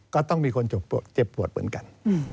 คุมกัน